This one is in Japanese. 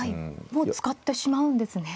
もう使ってしまうんですね。